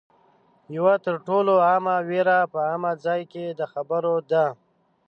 یوه تر ټولو عامه وېره په عامه ځای کې د خبرو ده